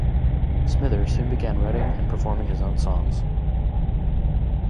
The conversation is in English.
Smither soon began writing and performing his own songs.